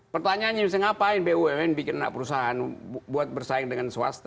pertanyaannya bisa ngapain bumn bikin anak perusahaan buat bersaing dengan swasta